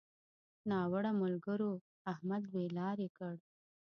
ناوړه ملګرو؛ احمد بې لارې کړ.